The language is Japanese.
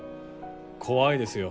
怖いですよ。